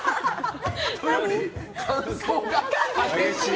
乾燥が激しい。